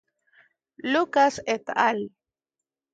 Lucas "et al.